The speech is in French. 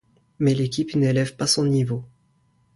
Mais l'équipe n'élève pas son niveau.